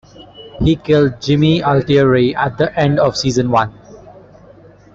He killed Jimmy Altieri at the end of season one.